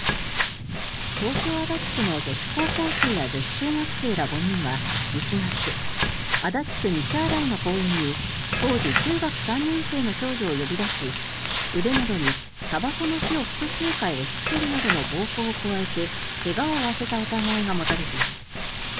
東京・足立区の女子高校生や女子中学生ら５人は１月、足立区西新井の公園に当時中学３年生の少女を呼び出し腕などに、たばこの火を複数回押しつけるなどの暴行を加えて怪我を負わせた疑いが持たれています。